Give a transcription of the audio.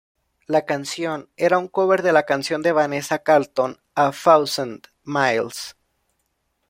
La canción era un cover de la canción de Vanessa Carlton, "A Thousand Miles".